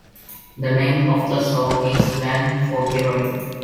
The name of the song is slang for heroin.